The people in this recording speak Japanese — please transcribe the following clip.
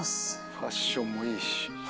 ファッションもいいし。